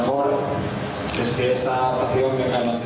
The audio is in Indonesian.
dari situ yang terbaik adalah pasien menang